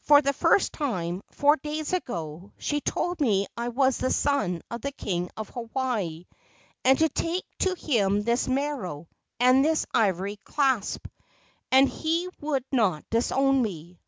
For the first time, four days ago, she told me I was the son of the king of Hawaii, and to take to him this maro and this ivory clasp, and he would not disown me.